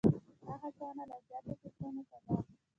دا هڅونه لا زیاتو فکرونو ته ده.